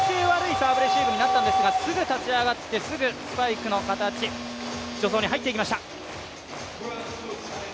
サーブレシーブになったんですがすぐ立ち上がってすぐスパイクの形、助走に入っていきました。